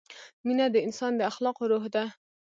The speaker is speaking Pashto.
مینه د انسان د اخلاقو روح ده.